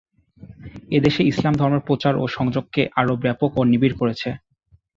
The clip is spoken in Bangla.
এ দেশে ইসলাম ধর্মের প্রচার এ সংযোগকে আরও ব্যাপক ও নিবিড় করেছে।